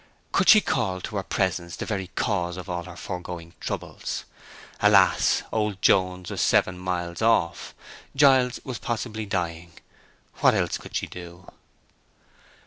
Could she call to her presence the very cause of all her foregoing troubles? Alas!—old Jones was seven miles off; Giles was possibly dying—what else could she do?